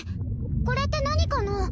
これって何かな？